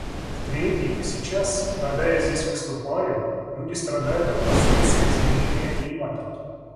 В-третьих, сейчас, когда я здесь выступаю, люди страдают от последствий изменения климата.